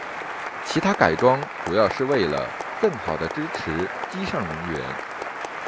其它改装主要是为了更好地支持机上人员。